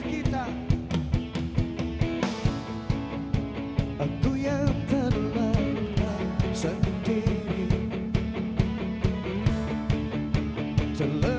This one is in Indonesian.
ku lakukan kurai bintang